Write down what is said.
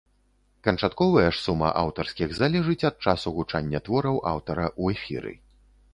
Канчатковая ж сума аўтарскіх залежыць ад часу гучання твораў аўтара ў эфіры.